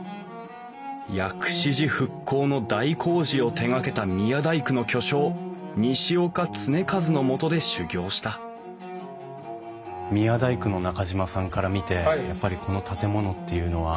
薬師寺復興の大工事を手がけた宮大工の巨匠西岡常一のもとで修業した宮大工の中島さんから見てやっぱりこの建物っていうのは。